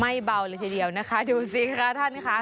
เบาเลยทีเดียวนะคะดูสิคะท่านค่ะ